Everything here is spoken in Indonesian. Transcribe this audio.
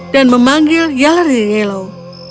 dan memanggil yalery yellow